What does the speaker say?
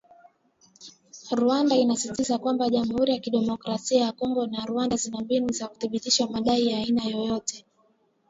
Rwanda inasisitizwa kwamba Jamuhuri ya Demokrasia ya Kongo na Rwanda zina mbinu za kuthibitisha madai ya aina yoyote